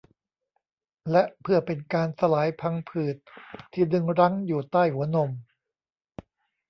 และเพื่อเป็นการสลายพังผืดที่ดึงรั้งอยู่ใต้หัวนม